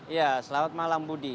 ya selamat malam budi